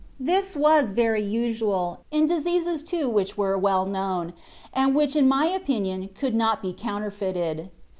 This was very usual, in diseases too which were well known, and which in my opinion could not be coimterfeited.